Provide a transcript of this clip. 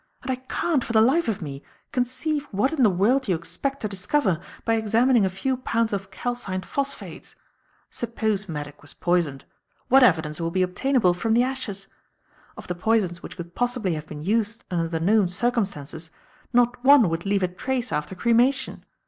And I can't, for the life of me, conceive what in the world you expect to discover by examining a few pounds of calcined phosphates. Suppose Maddock was poisoned, what evidence will be obtainable from the ashes? Of the poisons which could possibly have been used under the known circumstances, not one would leave a trace after cremation.